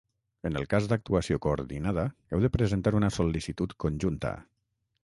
En el cas d'actuació coordinada, heu de presentar una sol·licitud conjunta.